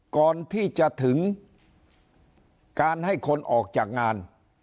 ก่อนที่จะถึงการให้คนออกจากงาน